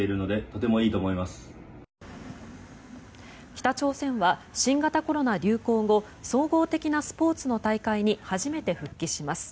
北朝鮮は新型コロナ流行後総合的なスポーツの大会に初めて復帰します。